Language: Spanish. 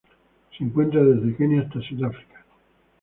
Se encuentra desde Kenia hasta Sudáfrica.